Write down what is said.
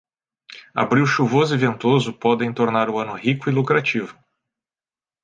Abril chuvoso e ventoso podem tornar o ano rico e lucrativo.